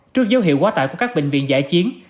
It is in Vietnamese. trước dấu hiệu quá tải của các bệnh viện giải chiến